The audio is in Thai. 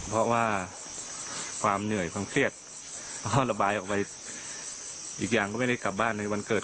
เพราะว่าความเหนื่อยความเครียดแล้วก็ระบายออกไปอีกอย่างก็ไม่ได้กลับบ้านในวันเกิด